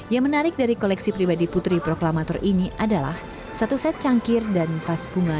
yang menarik dari koleksi pribadi putri proklamator ini adalah satu set cangkir dan vas bunga